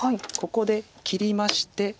ここで切りまして。